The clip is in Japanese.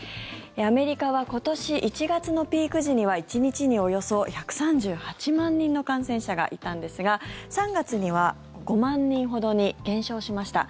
アメリカは今年１月のピーク時には１日におよそ１３８万人の感染者がいたんですが３月には５万人ほどに減少しました。